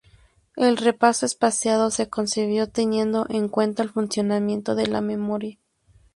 El repaso espaciado se concibió teniendo en cuenta el funcionamiento de la memoria.